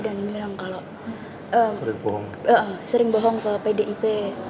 dan bilang kalau sering bohong ke pdip